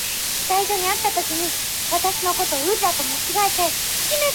生于河南省泌阳。